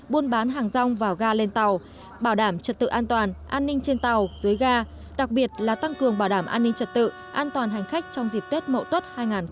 buôn bán hàng rong vào ga lên tàu bảo đảm trật tự an toàn an ninh trên tàu dưới ga đặc biệt là tăng cường bảo đảm an ninh trật tự an toàn hành khách trong dịp tết mậu tuất hai nghìn hai mươi bốn